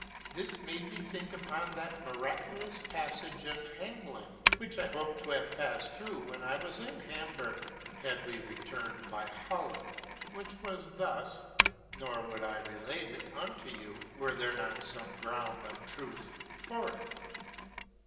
This made me think upon that miraculous passage in Hamelen, a town in Germany, which I hoped to have passed through when I was in Hamburg, had we returned by Holland, which was thus (nor would I relate it unto you were there not some ground of truth for it).